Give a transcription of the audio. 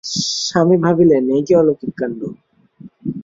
স্বামী ভাবিলেন, এ কী অলৌকিক কাণ্ড!